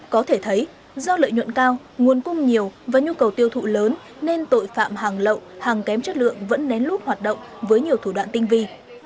có thể thấy do lợi nhuận cao nguồn cung nhiều và nhu cầu tiêu thụ lớn nên tội phạm hàng lậu hàng kém chất lượng vẫn nén lút hoạt động với nhiều thủ đoạn tinh vi